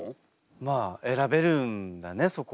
まあ選べるんだねそこは。